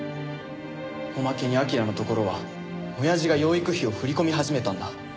おまけに彬のところは親父が養育費を振り込み始めたんだ。